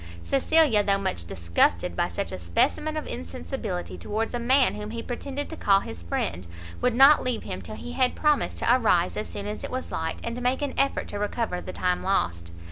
Cecilia, though much disgusted by such a specimen of insensibility towards a man whom he pretended to call his friend, would not leave him till he had promised to arise as soon as it was light, and make an effort to recover the time lost.